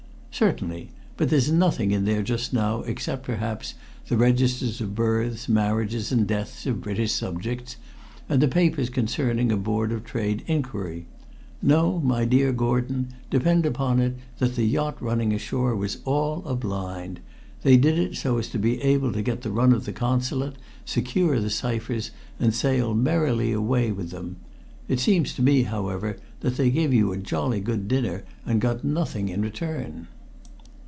"Certainly. But there's nothing in there just now except, perhaps, the registers of births, marriages and deaths of British subjects, and the papers concerning a Board of Trade inquiry. No, my dear Gordon, depend upon it that the yacht running ashore was all a blind. They did it so as to be able to get the run of the Consulate, secure the ciphers, and sail merrily away with them. It seems to me, however, that they gave you a jolly good dinner and got nothing in return."